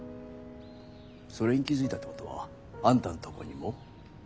それに気付いたってことはあんたんとこにも？